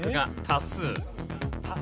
多数。